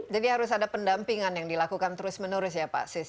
jadi harus ada pendampingan yang dilakukan terus menerus ya pak sis